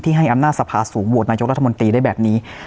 ให้อำนาจสภาสูงโหวตนายกรัฐมนตรีได้แบบนี้